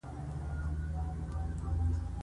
هغې بيا له فريدې وپوښتل.